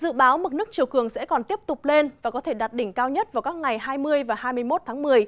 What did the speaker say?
dự báo mực nước chiều cường sẽ còn tiếp tục lên và có thể đạt đỉnh cao nhất vào các ngày hai mươi và hai mươi một tháng một mươi